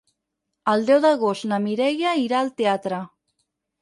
El deu d'agost na Mireia irà al teatre.